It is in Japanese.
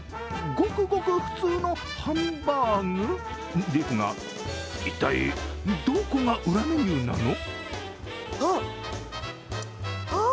ごくごく普通のハンバーグですが一体、どこが裏メニューなの？